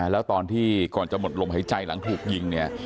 แล้วตอนที่ก่อนจากหมดลมหาวิธีหลังเถอะ